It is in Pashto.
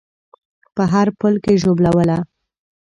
په هر پل کې ژوبلوله